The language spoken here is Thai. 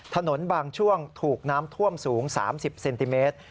บางช่วงถูกน้ำท่วมสูง๓๐เซนติเมตร